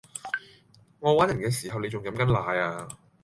我玩人既時候你仲飲緊奶呀